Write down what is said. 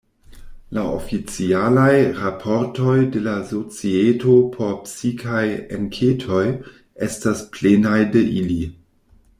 La oficialaj raportoj de la Societo por Psikaj Enketoj estas plenaj de ili.